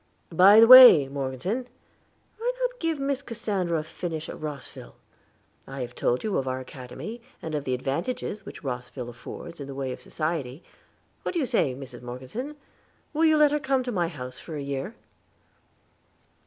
"By the way, Morgeson, why not give Miss Cassandra a finish at Rosville? I have told you of our Academy, and of the advantages which Rosville affords in the way of society. What do you say, Mrs. Morgeson, will you let her come to my house for a year?"